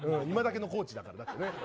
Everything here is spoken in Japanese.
今だけのコーチだからね。